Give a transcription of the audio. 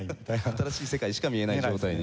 新しい世界しか見えない状態に。